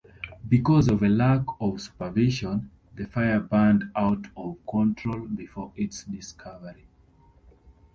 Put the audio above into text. Because of a lack of supervision, the fire burned out-of-control before its discovery.